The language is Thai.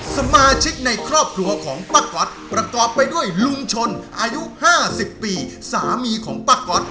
สมาชิกในครอบครัวของป้าก๊อตประกอบไปด้วยลุงชนอายุ๕๐ปีสามีของป้าก๊อต